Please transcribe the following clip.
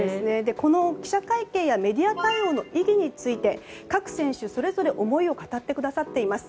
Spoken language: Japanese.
この記者会見やメディア対応の意義について各選手、それぞれ思いを語ってくださっています。